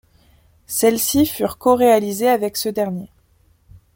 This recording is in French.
Celles-ci furent co-réalisées avec ce dernier.